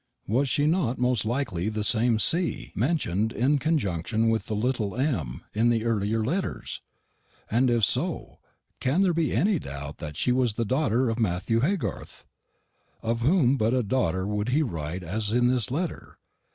Was she not most likely the same C. mentioned in conjunction with the little M. in the earlier letters? and if so, can there be any doubt that she was the daughter of Matthew Haygarth? Of whom but of a daughter would he write as in this letter?